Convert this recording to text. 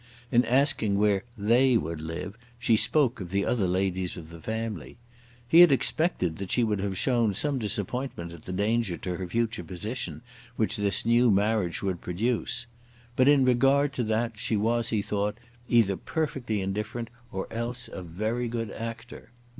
In asking where "they" would live, she spoke of the other ladies of the family. He had expected that she would have shown some disappointment at the danger to her future position which this new marriage would produce. But in regard to that she was, he thought, either perfectly indifferent, or else a very good actor.